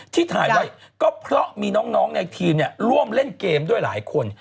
ที่ถ่ายไว้ก็เพราะมีน้องในทีมร่วมเล่นเกมด้วยหลายคน